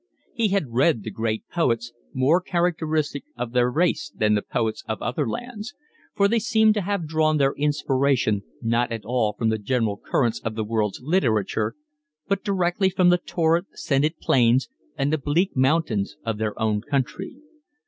He had read the great poets, more characteristic of their race than the poets of other lands; for they seemed to have drawn their inspiration not at all from the general currents of the world's literature but directly from the torrid, scented plains and the bleak mountains of their country.